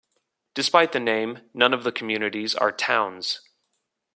Despite the name, none of the communities are towns.